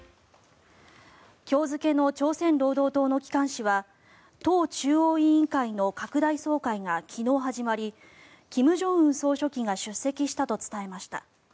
今日付の朝鮮労働党の機関紙は党中央委員会の拡大総会が昨日始まり金正恩総書記が出席したと伝えました。